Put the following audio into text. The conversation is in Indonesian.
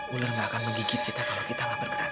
ular gak akan menggigit kita kalau kita gak bergerak